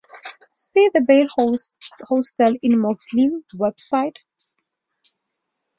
See the bail hostel in Moxley web site.